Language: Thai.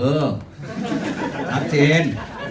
อันนี้ชัดเจน